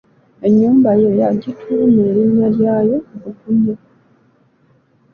Ennyumba ye yagituuma erinnya lyayo Bugunya.